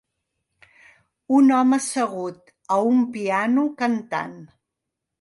Un home assegut a un piano cantant.